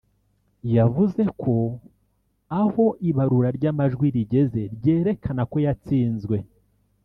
yavuze ko aho ibarura ry’amajwi rigeze ryerekana ko yatsinzwe